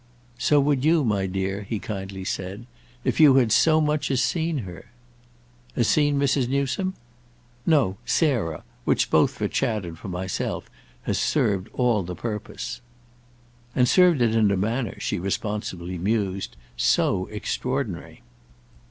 "So would you, my dear," he kindly said, "if you had so much as seen her." "As seen Mrs. Newsome?" "No, Sarah—which, both for Chad and for myself, has served all the purpose." "And served it in a manner," she responsively mused, "so extraordinary!"